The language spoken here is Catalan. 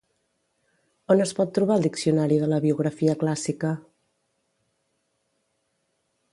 On es pot trobar el Diccionari de la biografia clàssica?